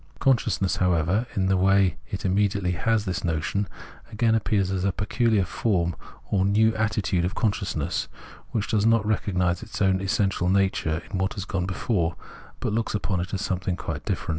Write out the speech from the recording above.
Conscious ness, however, in the way it immediately has this notion, again appears as a peculiar form or new attitude of consciousness, which does not recognise its own essential nature in what has gone before, but looks upon it as something quite different.